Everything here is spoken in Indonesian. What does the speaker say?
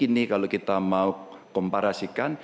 ini kalau kita mau komparasikan